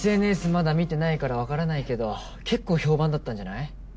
まだ見てないからわからないけど結構評判だったんじゃない？